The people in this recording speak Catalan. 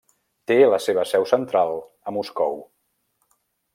Té la seva seu central a Moscou.